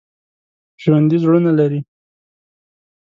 ژوندي زړونه لري